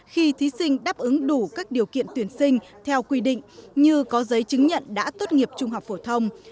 khi thí sinh đáp ứng đủ các điều kiện tuyển sinh theo quy định như có giấy chứng nhận đã tốt nghiệp trung học phổ thông